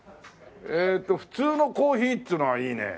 えーと普通のコーヒーっつうのはいいね。